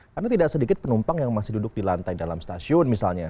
karena tidak sedikit penumpang yang masih duduk di lantai dalam stasiun misalnya